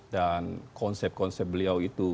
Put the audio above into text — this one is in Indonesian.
dan konsep konsep beliau itu